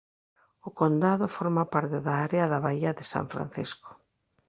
O condado forma parte da área da baía de San Francisco.